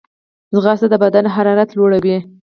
ځغاسته د بدن حرارت لوړوي